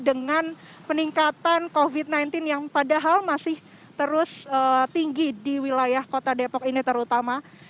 dengan peningkatan covid sembilan belas yang padahal masih terus tinggi di wilayah kota depok ini terutama